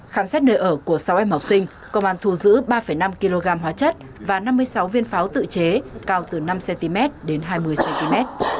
khám xét nơi ở của sáu em học sinh công an thu giữ ba năm kg hóa chất và năm mươi sáu viên pháo tự chế cao từ năm cm đến hai mươi cm